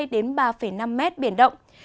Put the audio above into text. đến ba năm mét biển động